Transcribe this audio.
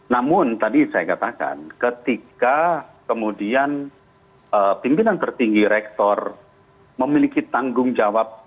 namun tadi saya katakan ketika kemudian pimpinan tertinggi rektor memiliki tanggung jawab